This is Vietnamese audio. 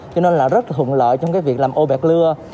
cho nên là rất là thuận lợi trong cái việc làm ô bẹt lưa